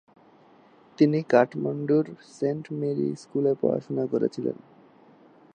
তিনি কাঠমান্ডুর Saint Mary স্কুলে পড়াশোনা করেছিলেন।